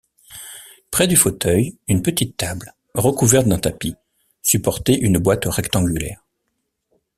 Près du fauteuil, une petite table, recouverte d’un tapis, supportait une boîte rectangulaire.